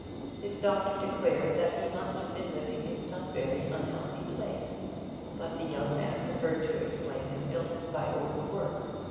His doctor declared that he must have been living in some very unhealthy place, but the young man preferred to explain his illness by overwork.